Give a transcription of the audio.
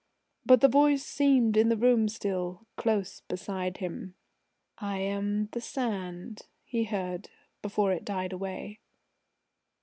But the voice seemed in the room still close beside him: "I am the Sand," he heard, before it died away.